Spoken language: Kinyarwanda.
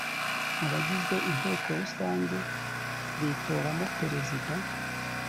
abagize inteko rusange bitoramo perezida